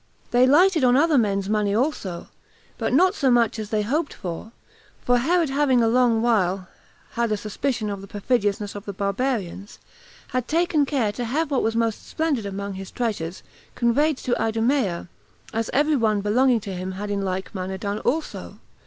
They lighted on other men's money also, but not so much as they hoped for; for Herod having a long while had a suspicion of the perfidiousness of the barbarians, had taken care to have what was most splendid among his treasures conveyed into Idumea, as every one belonging to him had in like manner done also.